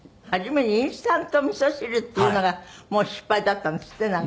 初めにインスタントみそ汁っていうのがもう失敗だったんですって？